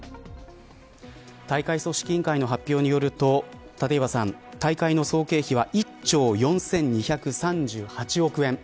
大会組織委員会の発表によると大会の総経費は１兆４２３８億円。